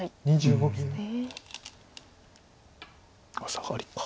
サガリか。